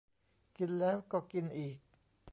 กินแล้วก็กินอีก